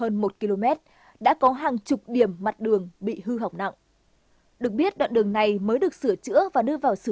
nó dạy nhiều lớp đường đá nó không dạy nhiều đá đâu